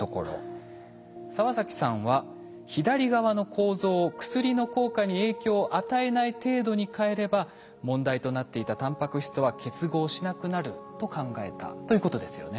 澤崎さんは左側の構造を薬の効果に影響を与えない程度に変えれば問題となっていたタンパク質とは結合しなくなると考えたということですよね。